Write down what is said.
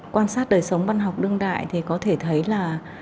quan sát đời sống văn học đương đại thì có thể thấy là